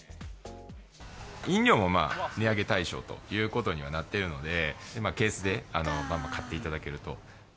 飲料も値上げ対象ということにはなっているので、今、ケースでばんばん買っていただけると。